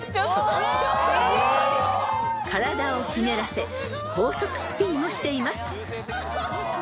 ［体をひねらせ高速スピンをしています］